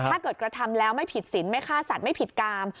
ถ้าเกิดกระทำแล้วไม่ผิดศิลป์ไม่ฆ่าสัตว์ไม่ผิดกาม